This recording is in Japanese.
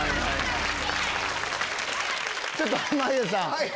ちょっと濱家さん。